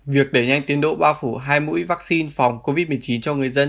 việc đẩy nhanh tiến độ bao phủ hai mũi vaccine phòng covid một mươi chín cho người dân